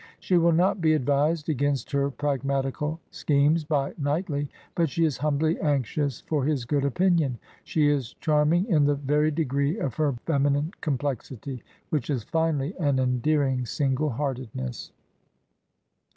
'S he wil l n ot be advised /^^.^^^'/^ ^gamst her pfagmalical schemes by Knightley, but she^ , r.y ?^ is humbly anxious for his good opinion. She is charm ^^/''/ /pjj^ ing in the very degree of her feminine complexity, //. Jy^ j^ which is finally an endearing single heartedness.